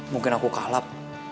mungkin aku kalap